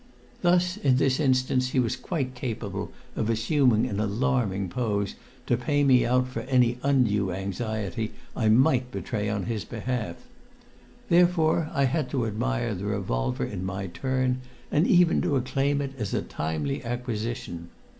Thus in this instance he was quite capable of assuming an alarming pose to pay me out for any undue anxiety I might betray on his behalf; therefore I had to admire the revolver in my turn, and even to acclaim it as a timely acquisition.